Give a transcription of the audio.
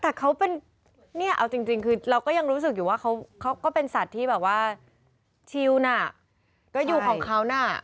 แต่เขาเป็นเนี่ยเอาจริงคือเราก็ยังรู้สึกอยู่ว่าเขาก็เป็นสัตว์ที่แบบว่าชิลน่ะก็อยู่ของเขาน่ะ